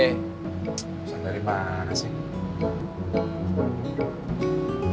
nyusahin dari mana sih